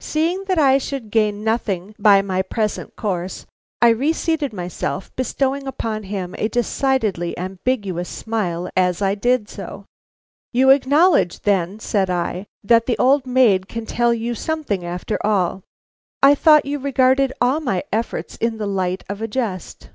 Seeing that I should gain nothing by my present course, I reseated myself, bestowing upon him a decidedly ambiguous smile as I did so. "You acknowledge then," said I, "that the old maid can tell you something after all. I thought you regarded all my efforts in the light of a jest.